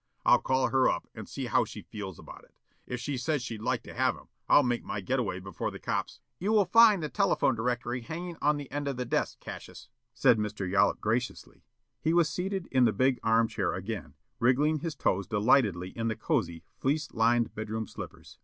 I'll call her up and see how she feels about it. If she says she'd like to have 'em, I'll make my getaway before the cops " "You will find the telephone directory hanging on the end of the desk, Cassius," said Mr. Yollop graciously. He was seated in the big arm chair again, wriggling his toes delightedly in the cozy, fleece lined bed room slippers.